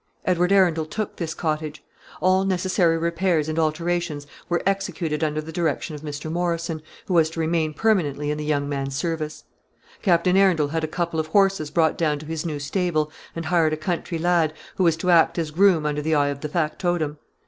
Edward Arundel took this cottage. All necessary repairs and alterations were executed under the direction of Mr. Morrison, who was to remain permanently in the young man's service. Captain Arundel had a couple of horses brought down to his new stable, and hired a country lad, who was to act as groom under the eye of the factotum.